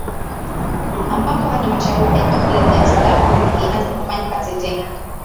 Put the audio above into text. Ambapo Halmashauri ya Jiji la Dar es Salaam lilianza kufanya kazi tena